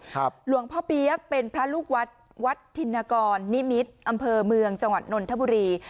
หลวงพ่อเปี๊ยกเป็นพระลูกวัดวัดธินกรนิมิตรอำเภอเมืองจังหวัดนนทบุรี